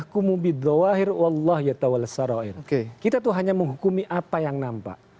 kita tuh hanya menghukumi apa yang nampak